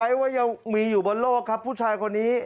ว่ายังมีอยู่บนโลกครับผู้ชายคนนี้